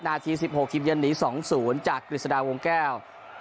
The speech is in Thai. นาที๑๖ทีมเยือนหนี๒๐จากกฤษฎาวงแก้ว